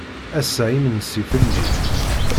Ass-a imensi fell-i.